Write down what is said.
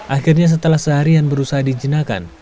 akhirnya setelah seharian berusaha dijinakan